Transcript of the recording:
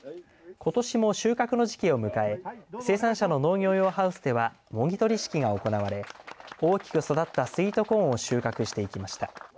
ことしも収穫の時期を迎え生産者の農業用ハウスではもぎ取り式が行われ大きく育ったスイートコーンを収穫していきました。